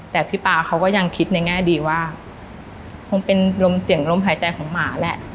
แต่พี่ป๊าเขาก็ยังคิดในแง่ดีว่าคงเป็นลมเสี่ยงลมหายใจของหมาแหละ